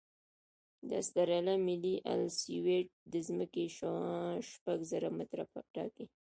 د اسټرالیا ملي الپسویډ د ځمکې شعاع شپږ زره متره ټاکي